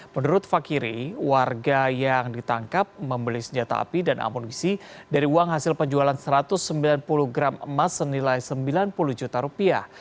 menurut fakiri warga yang ditangkap membeli senjata api dan amunisi dari uang hasil penjualan satu ratus sembilan puluh gram emas senilai sembilan puluh juta rupiah